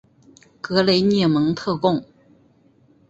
格雷涅蒙特贡。